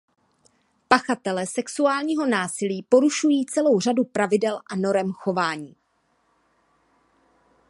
Pachatelé sexuálního násilí porušují celou řadu pravidel a norem chování.